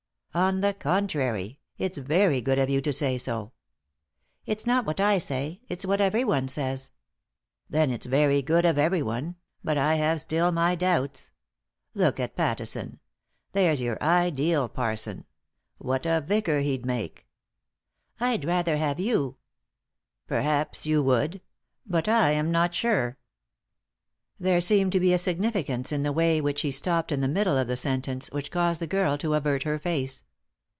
" On the contrary, it's very good of you to say so." " It's not what I say ; it's what everyone says." "Then it's very good of everyone — but I have still my doubts. Look at Pattison ; there's your ideal parson — what a vicar he'd make I "" I'd rather have you." " Perhaps you would ; but I am not sure " There seemed to be a significance in the way in which he stopped in the middle of the sentence which caused the girl to avert her face.